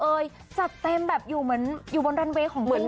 จัดเต็มแบบอยู่เหมือนอยู่บนรันเวย์ของเหมือน